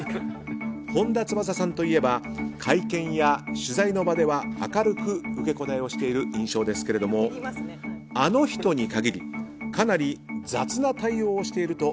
本田翼さんといえば会見や取材の場では明るく受け答えをしている印象ですけれどもあの人に限りかなり雑な対応をしていると